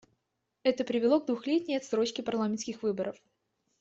Это привело к двухлетней отсрочке парламентских выборов.